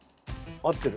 合ってる。